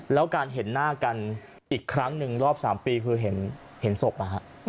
แล้วการเห็นหน้ากันอีกครั้งหนึ่งรอบ๓ปีคือเห็นศพนะฮะ